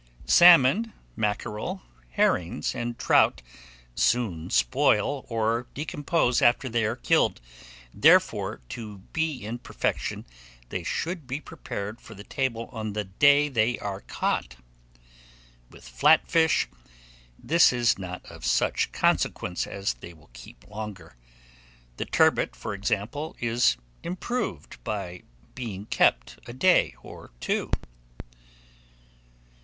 Salmon, mackerel, herrings, and trout soon spoil or decompose after they are killed; therefore, to be in perfection, they should be prepared for the table on the day they are caught. With flat fish, this is not of such consequence, as they will keep longer. The turbot, for example, is improved by being kept a day or two.